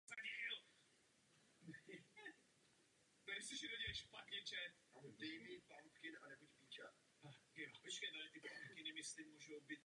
Morgan začal svou fotbalovou kariéru v juniorském týmu s názvem Johnny.